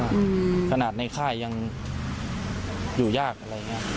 ขนาดในค่ายยังอยู่ยากอะไรอย่างเงี้ย